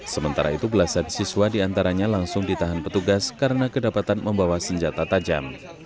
sementara itu belasan siswa diantaranya langsung ditahan petugas karena kedapatan membawa senjata tajam